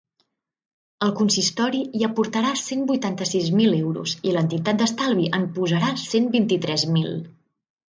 El consistori hi aportarà cent vuitanta-sis mil euros, i l’entitat d’estalvi en posarà cent vint-i-tres mil.